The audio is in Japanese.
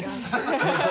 そうそう。